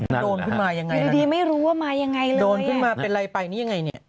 โดนขึ้นมายังไงละเนี่ยโดนขึ้นมาเป็นไรไปนี่ยังไงเนี่ย